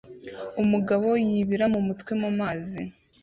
umugabo yibira mumutwe mumazi